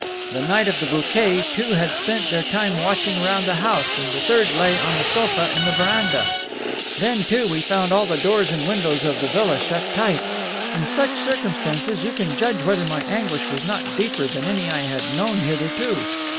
The night of the bouquet two had spent their time watching around the house, and the third lay on the sofa in the veranda. Then, too, we found all the doors and windows of the villa shut tight. In such circumstances you can judge whether my anguish was not deeper than any I had known hitherto.